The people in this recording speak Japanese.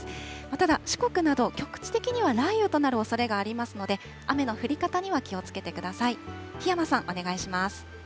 ただ、四国など局地的には雷雨となるおそれがありますので、雨の降り方には気をつけてください。